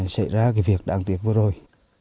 vậy ra cái việc đáng tiếc vừa rồi